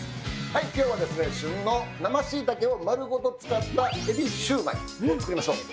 はい今日はですね旬の生しいたけをまるごと使ったエビしゅうまいを作りましょう。